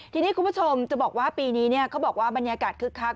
ทีนี้คุณผู้ชมจะบอกว่าปีนี้เขาบอกว่าบรรยากาศคึกคัก